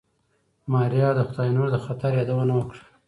ماريا د خداينور د خطر يادونه وکړه.